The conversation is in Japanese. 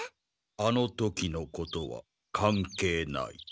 あの時のことは関係ない。